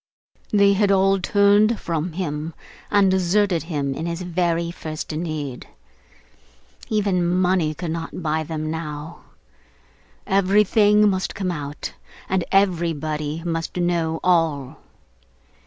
They had all turned from him and deserted him in his very first need. Even money could not buy them now; everything must come out, and everybody must know all.